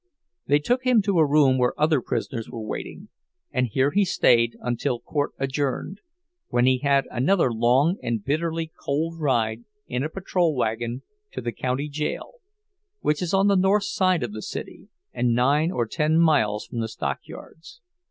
They took him to a room where other prisoners were waiting and here he stayed until court adjourned, when he had another long and bitterly cold ride in a patrol wagon to the county jail, which is on the north side of the city, and nine or ten miles from the stockyards.